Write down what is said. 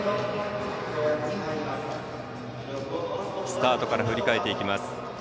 スタートから振り返っていきます。